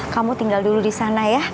kamu tinggal dulu disana ya